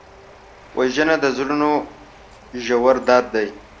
وژنه د زړونو ژور درد دی